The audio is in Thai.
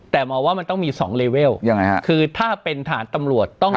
แต่หมอว่ามันต้องมีสองเลเวลยังไงฮะคือถ้าเป็นฐานตำรวจต้อง